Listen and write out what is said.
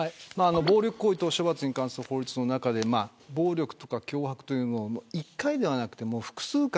暴力行為等処罰に関する法律の中で暴力や脅迫というのを１回ではなくて複数回